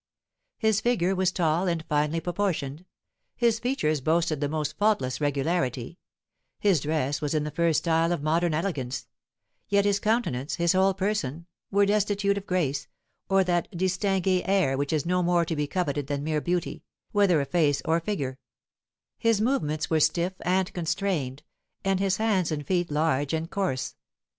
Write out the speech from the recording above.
His figure was tall and finely proportioned; his features boasted the most faultless regularity; his dress was in the first style of modern elegance; yet his countenance, his whole person, were destitute of grace, or that distingué air which is more to be coveted than mere beauty, whether of face or figure; his movements were stiff and constrained, and his hands and feet large and coarse.